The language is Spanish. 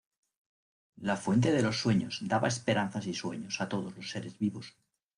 La Fuente de los Sueños daba esperanzas y sueños a todos los seres vivos.